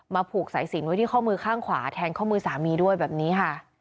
ผูกสายสินไว้ที่ข้อมือข้างขวาแทงข้อมือสามีด้วยแบบนี้ค่ะ